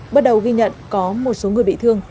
bắt đầu ghi nhận có một số người bị thương